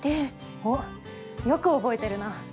おっよく覚えてるな。